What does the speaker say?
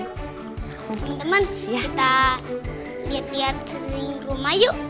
teman teman kita liat liat keliring rumah yuk